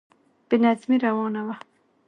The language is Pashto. بې نظمی روانه وه.